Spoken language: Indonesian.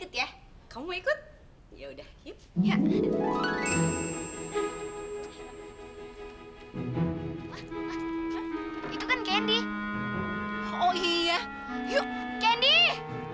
itu kan candy oh iya yuk candy